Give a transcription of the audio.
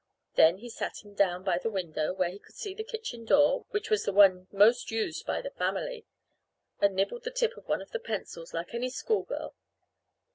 Then he sat him down by the window where he could see the kitchen door, which was the one most used by the family and nibbled the tip off one of the pencils like any school girl.